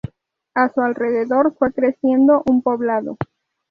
A su alrededor fue creciendo un poblado.